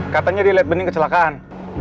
katanya dilihat bening kecelakaan